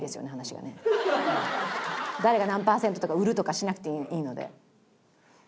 誰が何パーセントとか売るとかしなくていいので。